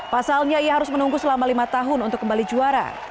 pasalnya ia harus menunggu selama lima tahun untuk kembali juara